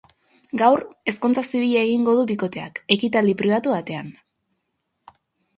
Gaur, ezkontza zibila egingo du bikoteak, ekitaldi pribatu batean.